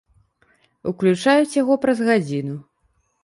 Уключаюць яго праз гадзіну.